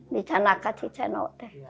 di canaka cucian nuk deh